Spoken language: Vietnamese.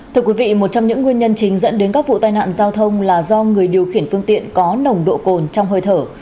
thưa quý vị một trong những nguyên nhân chính dẫn đến các vụ tai nạn giao thông là do người điều khiển phương tiện có nồng độ cồn trong hơi thở